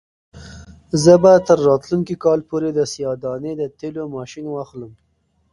زه به تر راتلونکي کال پورې د سیاه دانې د تېلو ماشین واخلم.